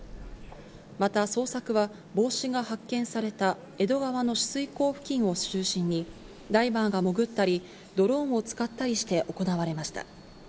また捜索は、帽子が発見された江戸川の取水口付近を中心に、ダイバーが潜ったり、ドローンを使ったりして行われました。